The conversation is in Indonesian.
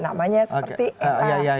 namanya seperti e